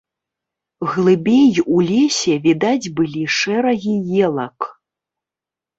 Глыбей у лесе відаць былі шэрагі елак.